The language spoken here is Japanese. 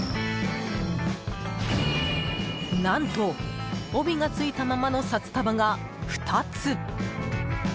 何と帯がついたままの札束が２つ。